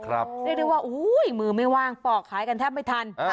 เรียกได้ว่ามือไม่ว่างปอกขายกันแทบไม่ทัน